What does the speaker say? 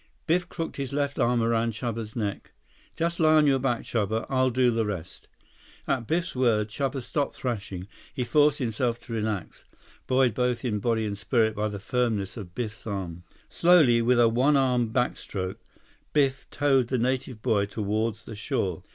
Biff crooked his left arm around Chuba's neck. "Just lie on your back, Chuba. I'll do the rest." At Biff's words Chuba stopped thrashing. He forced himself to relax, buoyed both in body and spirit by the firmness of Biff's arm. Slowly, with a one armed backstroke, Biff towed the native boy toward the shore.